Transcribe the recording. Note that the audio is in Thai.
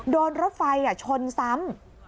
โดนรถไฟชนซ้ำ